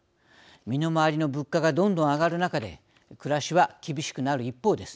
身の周りの物価がどんどん上がる中で暮らしは厳しくなる一方です。